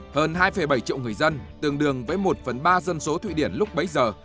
hơn hai bảy triệu người dân tương đương với một phần ba dân số thụy điển lúc bấy giờ